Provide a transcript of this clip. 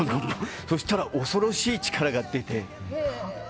そしたら恐ろしい力が出て。